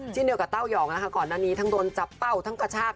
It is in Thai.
เดียวกับเต้ายองนะคะก่อนหน้านี้ทั้งโดนจับเป้าทั้งกระชาก